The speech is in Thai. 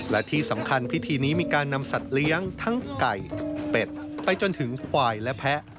และที่สำคัญพิธีนี้มีการนำสัตว์เลี้ยงทั้งไก่เป็ดไปจนถึงควายและแพะ